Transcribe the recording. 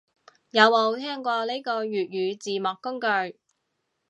有冇聽過呢個粵語字幕工具